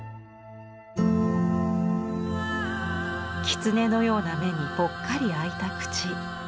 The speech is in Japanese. きつねのような目にぽっかり開いた口。